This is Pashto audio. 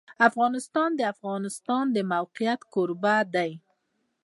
افغانستان د د افغانستان د موقعیت کوربه دی.